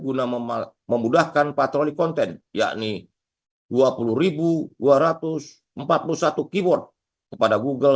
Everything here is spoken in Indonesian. guna memudahkan patroli konten yakni dua puluh dua ratus empat puluh satu keyword kepada google